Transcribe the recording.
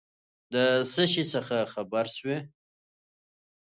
د څه شي څخه خبر سوې ؟